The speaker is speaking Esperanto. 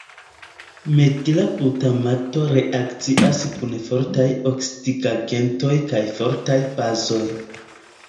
Metila glutamato reakcias kun fortaj oksidigagentoj kaj fortaj bazoj.